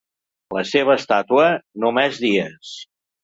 La seva estàtua? Només dies.